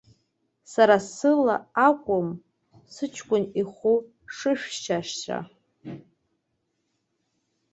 Сара сыла акәым сыҷкәын ихә шышәшьаша.